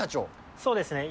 そうですね、今。